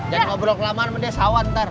jangan ngobrol kelamaan sama dia sawah ntar